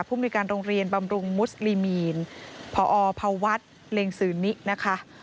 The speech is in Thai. มนุยการโรงเรียนบำรุงมุสลิมีนพอพวัฒน์เล็งสือนินะคะ